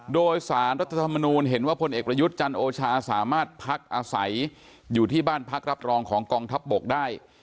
โดยสารรัฐธรรมนูลเห็นว่าพลเอกประยุทธ์จันโอชาสามารถพักอาศัยอยู่ที่บ้านพักรับรองของกองทัพบกได้